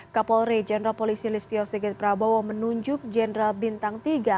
kapolri jenderal polisi listio sigit prabowo menunjuk jenderal bintang tiga